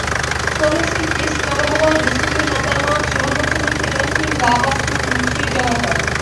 Slovinský tisk navrhoval diskuzi na téma přehodnocení finančních závazků vůči Bělehradu.